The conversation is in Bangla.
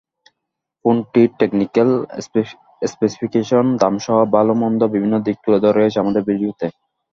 ফোনটির টেকনিক্যাল স্পেসিফিকেশন, দামসহ ভালো-মন্দ বিভিন্ন দিক তুলে ধরা হয়েছে আমাদের ভিডিওটিতে।